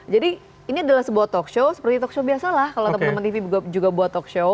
jadi ini adalah sebuah talk show seperti talk show biasa lah kalau teman teman tv juga buat talk show